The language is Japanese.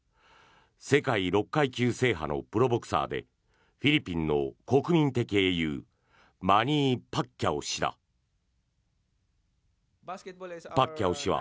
世界６階級制覇のプロボクサーでフィリピンの国民的英雄マニー・パッキャオ氏だ。